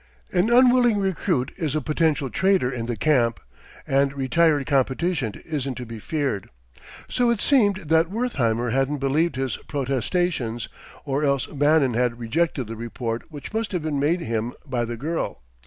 An unwilling recruit is a potential traitor in the camp; and retired competition isn't to be feared. So it seemed that Wertheimer hadn't believed his protestations, or else Bannon had rejected the report which must have been made him by the girl.